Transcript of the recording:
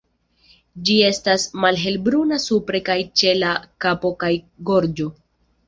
Ĝi estas malhelbruna supre kaj ĉe la kapo kaj gorĝo.